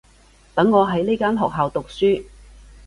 等我喺呢間學校讀書